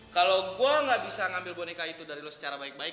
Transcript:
kalo gua gak bisa ngambil boneka itu dari lu secara baik baik